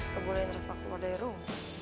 kebunen reva keluar dari rumah